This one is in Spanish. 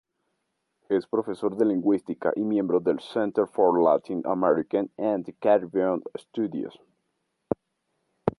Es profesor de lingüística y miembro del "Center for Latin American and Caribbean Studies".